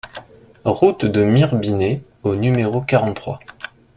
Route de Mirebinet au numéro quarante-trois